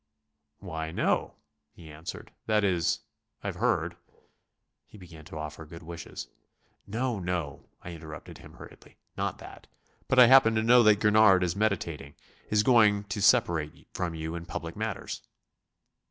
"Why, no," he answered "that is ... I've heard...." he began to offer good wishes. "No, no," I interrupted him hurriedly, "not that. But I happen to know that Gurnard is meditating ... is going to separate from you in public matters."